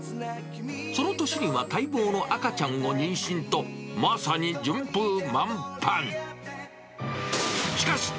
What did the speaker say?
その年には待望の赤ちゃんを妊娠と、まさに順風満帆。